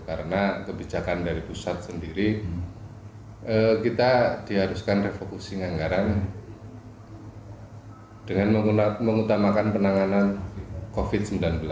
karena kebijakan dari pusat sendiri kita diharuskan refocusing anggaran dengan mengutamakan penanganan covid sembilan belas